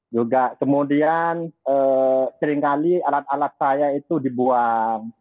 juga kemudian seringkali alat alat saya itu dibuang